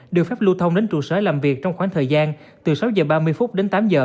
được phép lưu thông đến trụ sở làm việc trong khoảng thời gian từ sáu h ba mươi đến tám h